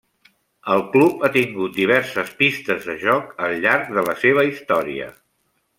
El club ha tingut diverses pistes de joc al llarg de la seva història.